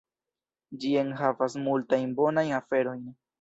Ĝi enhavas multajn bonajn aferojn.